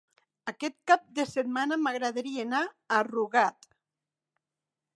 Aquest cap de setmana m'agradaria anar a Rugat.